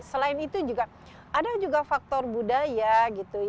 selain itu juga ada juga faktor budaya gitu